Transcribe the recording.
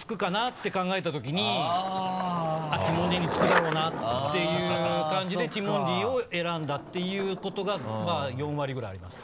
て考えた時にティモンディに付くだろうなっていう感じでティモンディを選んだっていうことが４割ぐらいあります。